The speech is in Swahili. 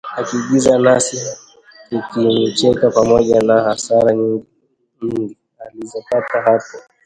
akiigiza nasi tukimcheka, pamoja na hasara nyingi alizopata hapo